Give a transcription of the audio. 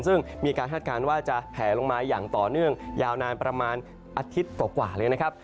ซึ่งมีการคาดการณ์ว่าจะแผลลงมาอย่างต่อเนื่องยาวนานประมาณอาทิตย์กว่าเลยนะครับ